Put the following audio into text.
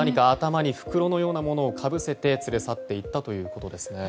頭に袋のようなものをかぶせて連れ去ったということです。